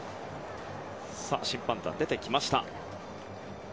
審判団が出てきました。